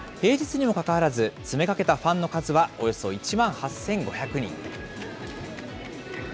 平日にもかかわらず、詰めかけたファンの数は、およそ１万８５００人。